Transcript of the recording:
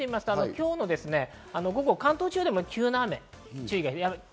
今日も午後、関東地方でも急な雨に注意が必要です。